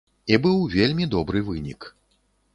І быў вельмі добры вынік.